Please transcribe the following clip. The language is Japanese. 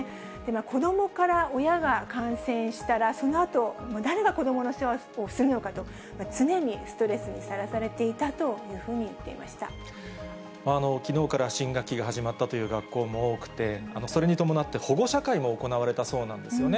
子どもから親が感染したら、そのあと、誰が子どもの世話をするのかと、常にストレスにさらされていたというふうに言っていまきのうから新学期が始まったという学校も多くて、それに伴って、保護者会も行われたそうなんですよね。